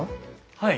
はい。